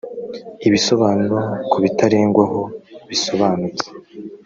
ibisobanuro ku bitarengwaho bisobanutse